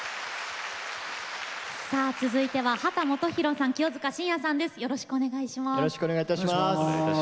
続いては秦基博さん、清塚信也さんです。